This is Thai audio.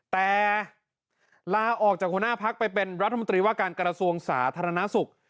แต่ลาออกจากหัวหน้าพักไปเป็นรัฐมนตรีว่าการกระทรวงสาธารณสุข